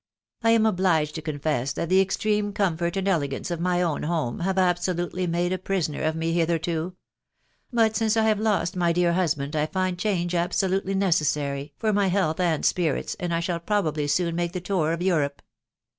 " I am obliged to confess that the extreme comfort and ele gance of my own home, have absolutely made a prisoner of me hitherto ;...• but since I have lost my dear husband I find change absolutely necessary for my health and spirits, and I shall probably soon make the tour of Europe."